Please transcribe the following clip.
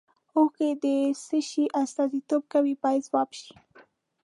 اوښکې د څه شي استازیتوب کوي باید ځواب شي.